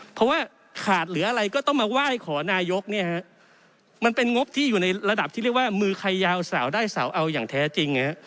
เพราะว่าขาดเหลืออะไรก็ต้องมาไหว้ขอนายกเนี่ยฮะมันเป็นงบที่อยู่ในระดับที่เรียกว่ามือใครยาวสาวได้สาวเอาอย่างแท้จริง